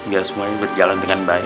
biar semuanya berjalan dengan baik